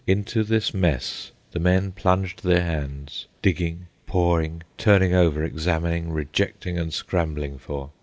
Into this mess the men plunged their hands, digging, pawing, turning over, examining, rejecting, and scrambling for.